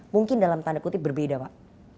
mungkin dalam tanda kutip berbeda pak